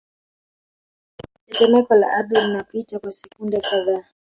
Tetemeko la ardhi linapita kwa sekunde kadhaa